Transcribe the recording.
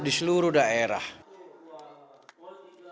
jadi kita harus mengatasi kemampuan pemula untuk mengatasi kemampuan pemula